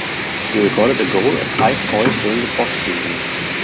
He recorded a goal and five points during the postseason.